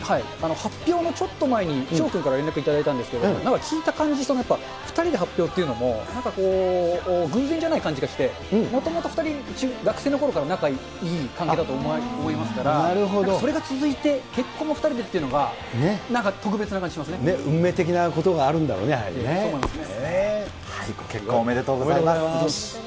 発表のちょっと前に翔君から連絡頂いたんですけれども、なんか聞いた感じ、やっぱ、２人で発表っていうのもなんかこう、偶然じゃない感じがして、もともと２人、学生のころから仲いい関係だと思いますから、それが続いて結婚も２人でっていうのが、なんか特別な感じがしま運命的なことがあるんだろうそう思いますね。